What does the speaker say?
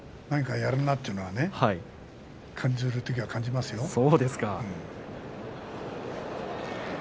何かやるなというのは感じるときは感じますよ。